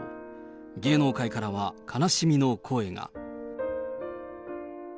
芸能界からは悲しみの声が。